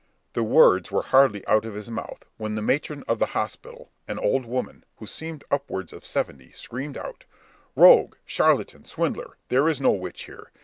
The words were hardly out of his mouth, when the matron of the hospital, an old woman, who seemed upwards of seventy, screamed out, "Rogue, charlatan, swindler, there is no witch here.